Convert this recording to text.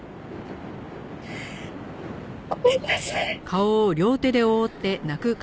ごめんなさい！